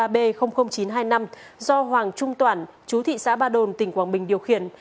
bảy mươi ba b chín trăm hai mươi năm do hoàng trung toản chú thị xã ba đồn tỉnh quảng bình điều khiển